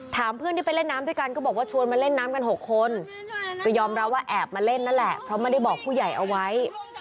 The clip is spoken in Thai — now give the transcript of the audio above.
เพื่อนที่ไปเล่นน้ำด้วยกันก็บอกว่าชวนมาเล่นน้ำกัน๖คนก็ยอมรับว่าแอบมาเล่นนั่นแหละเพราะไม่ได้บอกผู้ใหญ่เอาไว้